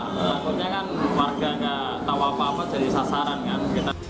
takutnya kan warga nggak tahu apa apa jadi sasaran kan